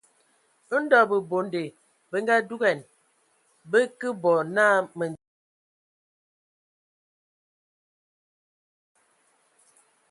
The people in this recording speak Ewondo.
Ndɔ bəbonde bə ngadugan, bə kə bɔ anə Məndim mə Ntsotsɔli a ngabende bɔ.